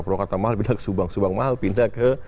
purwakarta mahal pindah ke subang subang mahal pindah ke